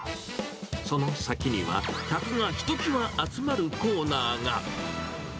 その先には、客がひときわ集まるコーナーが。